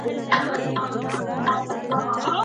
که د عملیات خونه تعقیم وي، نو ناروغ ته میکروب نه لیږدول کیږي.